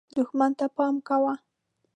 دښمن ته پام کوه .